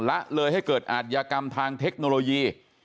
ละเลยให้เกิดอาทยากรรมทางเทคโนโลยี